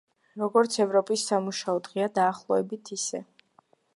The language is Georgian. როგორც ევროპის სამუშაო დღეა, დაახლოებით, ისე.